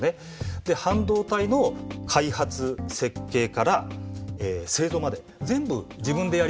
で半導体の開発・設計から製造まで全部自分でやりますって。